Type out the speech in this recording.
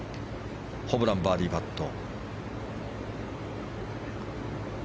ホブラン、バーディーパット。